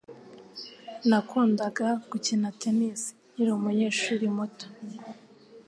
Nakundaga gukina tennis nkiri umunyeshuri muto.